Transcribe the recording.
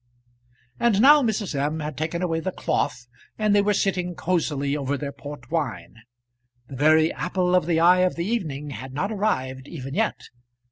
And now Mrs. M. had taken away the cloth, and they were sitting cozily over their port wine. The very apple of the eye of the evening had not arrived even yet.